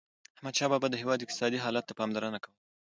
احمدشاه بابا د هیواد اقتصادي حالت ته پاملرنه کوله.